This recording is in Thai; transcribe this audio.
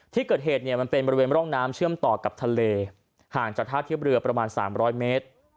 ที่เกิดเหตุเนี่ยมันเป็นบริเวณร่องน้ำเชื่อมต่อกับทะเลห่างจากท่าเทียบเรือประมาณ๓๐๐เมตร